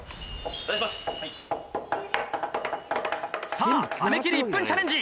さぁ飴切り１分チャレンジ